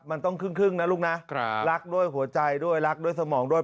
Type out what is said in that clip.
มันต้องครึ่งนะลูกนะรักด้วยหัวใจด้วยรักด้วยสมองด้วย